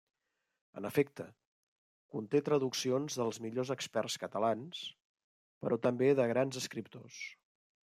En efecte, conté traduccions dels millors experts catalans, però també de grans escriptors.